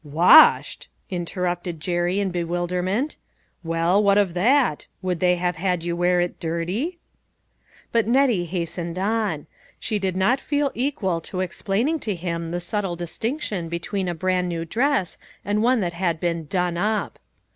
"Washed!" interrupted Jerry in bewilder ment ;" well, what of that ? Would they have had you wear it dirty ?" But Nettie hastened on; she did not feel equal to explaining to him the subtle distinction between a brand new dress and one that had been " done up."